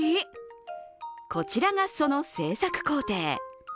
こちらがその製作工程。